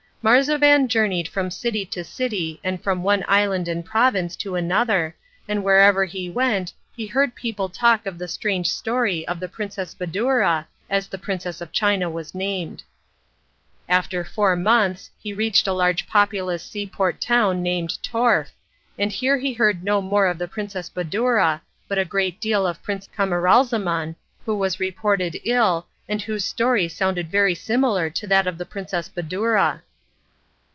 Marzavan journeyed from city to city and from one island and province to another, and wherever he went he heard people talk of the strange story of the Princess Badoura, as the Princess of China was named. After four months he reached a large populous seaport town named Torf, and here he heard no more of the Princess Badoura but a great deal of Prince Camaralzaman, who was reported ill, and whose story sounded very similar to that of the Princess Badoura.